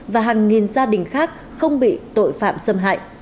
và hàng nghìn gia đình khác không bị tội phạm xâm hại